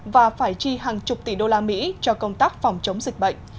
và phải chi hàng chục tỷ đô la mỹ cho công tác phòng chống dịch bệnh